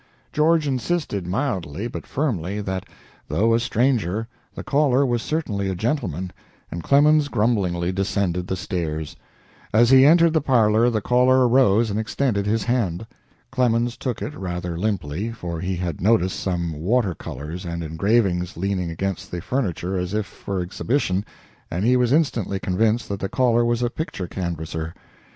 George insisted mildly, but firmly, that, though a stranger, the caller was certainly a gentleman, and Clemens grumblingly descended the stairs. As he entered the parlor the caller arose and extended his hand. Clemens took it rather limply, for he had noticed some water colors and engravings leaning against the furniture as if for exhibition, and he was instantly convinced that the caller was a picture canvasser.